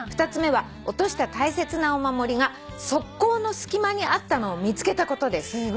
「２つ目は落とした大切なお守りが側溝の隙間にあったのを見つけたことです」